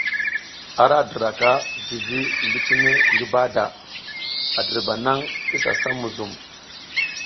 A ra diraka zivi ngi cine ngi bahada, a dirba nang isa sam muzum.